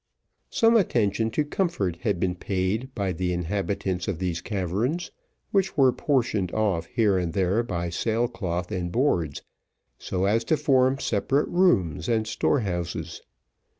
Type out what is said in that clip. Some attention to comfort had been paid by the inhabitants of these caverns, which were portioned off here and there by sail cloth and boards, so as to form separate rooms and storehouses.